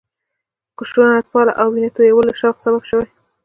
خشونتپالنه او وینه تویولو شوق سبب شوی.